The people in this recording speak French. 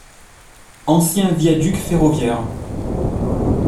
Ancien viaduc ferroviaire.